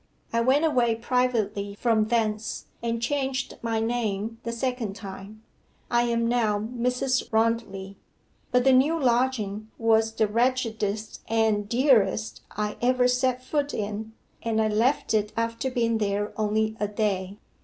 I went away privately from thence, and changed my name the second time. I am now Mrs. Rondley. But the new lodging was the wretchedest and dearest I ever set foot in, and I left it after being there only a day.